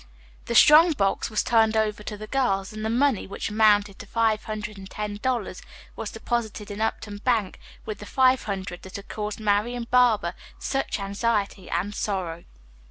The strong box was turned over to the girls and the money, which amounted to five hundred and ten dollars, was deposited in Upton Bank with the five hundred that had caused Marian Barber such anxiety and sorrow.